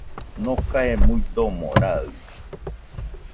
Nokae muidomo raɨ